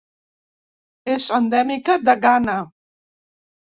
És endèmica de Ghana.